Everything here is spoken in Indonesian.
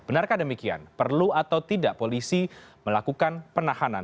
benarkah demikian perlu atau tidak polisi melakukan penahanan